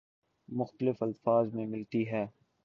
مختلف الفاظ میں ملتی ہے